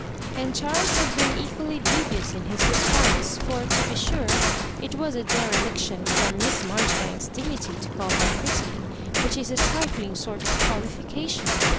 and Charles had been equally dubious in his response ; for, to be sure, it was a dereliction from Miss Marjori banks's dignity to call her pretty, which is a tri fling sort of qualification.